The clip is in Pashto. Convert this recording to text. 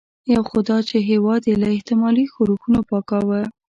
یو خو دا چې هېواد یې له احتمالي ښورښونو پاکاوه.